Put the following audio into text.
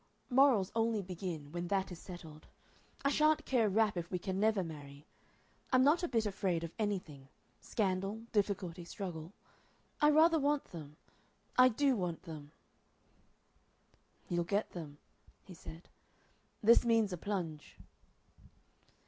Morals only begin when that is settled. I sha'n't care a rap if we can never marry. I'm not a bit afraid of anything scandal, difficulty, struggle.... I rather want them. I do want them." "You'll get them," he said. "This means a plunge."